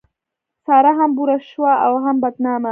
سارا هم بوره شوه او هم بدنامه.